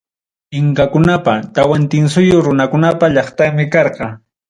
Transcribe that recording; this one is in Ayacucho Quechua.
Inkakunapa, Tawantinsuyo runakunapa llaqtanmi karqa.